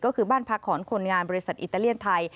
ก็คือบ้านพักของคนงานบริษัทอิตาเลียนไทย